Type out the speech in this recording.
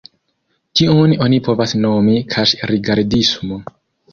Tion oni povas nomi "kaŝ-rigardismo".